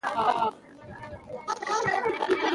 په افغانستان کې د تاریخ د پوهې لپاره ډېرې طبیعي منابع شته دي.